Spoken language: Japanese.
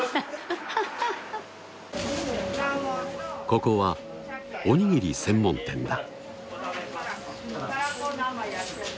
ここはおにぎり専門店だ